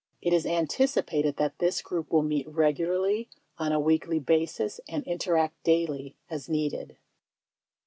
It is anticipated that this group will meet regularly on a weekly basis and inter act daily as needed.